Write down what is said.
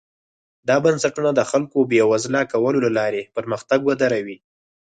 دا بنسټونه د خلکو بېوزله کولو له لارې پرمختګ ودروي.